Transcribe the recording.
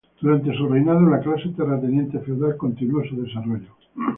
Durante su reinado, la clase terrateniente feudal continuó su desarrollo.